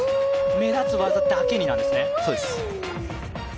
目立つ技だけになんですね。